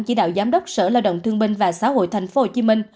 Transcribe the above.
chỉ đạo giám đốc sở lao động thương binh và xã hội tp hcm